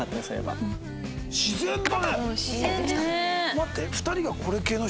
待って。